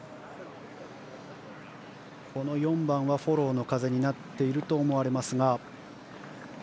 この４番はフォローの風になっていると思われますが。